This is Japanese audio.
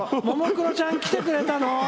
ももクロちゃん来てくれたの？